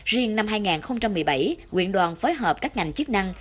riêng năm hai nghìn một mươi bảy quyện đoàn phối hợp các ngành chức năng